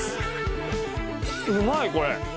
うまいこれ！